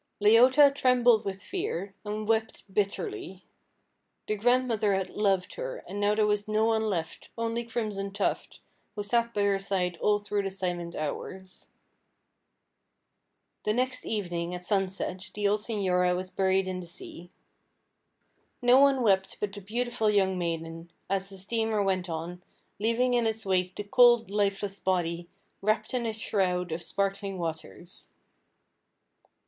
Leota trembled with fear, and wept bitterly. The grandmother had loved her, and now there was no one left, only Crimson Tuft, who sat by her side all through the silent hours. The next evening, at sunset, the old señora was buried in the sea. No one wept but the beautiful young maiden, as the steamer went on, leaving in its wake the cold, lifeless body, wrapped in its shroud of sparkling waters.